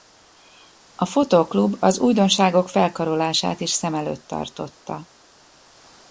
A fotóklub az újdonságok felkarolását is szem előtt tartotta.